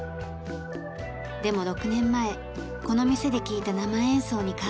でも６年前この店で聴いた生演奏に感動。